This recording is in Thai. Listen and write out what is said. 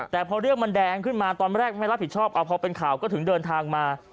แต่พอเรื่องมันแดงขึ้นมาตอนแรกไม่รับผิดชอบเอาพอเป็นข่าวก็ถึงเดินทางมา